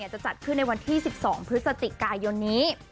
จะจัดขึ้นในวันที่๑๒พฤศจิกายนนี้